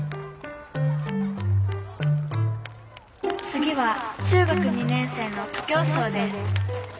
「次は中学２年生の徒競走です」。